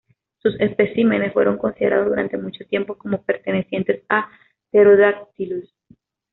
Sus especímenes fueron considerados durante mucho tiempo como pertenecientes a "Pterodactylus".